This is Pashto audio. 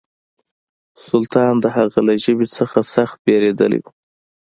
سلطان د هغه له ژبې څخه سخت بېرېدلی و.